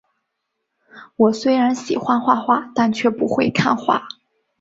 我虽然喜欢画画，但却不会看画